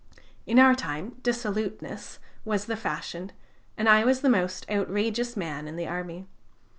In our time dissoluteness was the fashion, and I was the most outrageous man in the army.